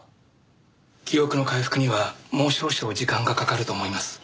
記憶の回復にはもう少々時間がかかると思います。